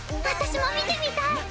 私も見てみたい！